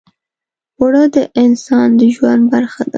اوړه د انسان د ژوند برخه ده